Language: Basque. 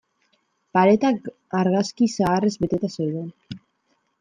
Paretak argazki zaharrez beteta zeuden.